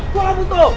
gue gak butuh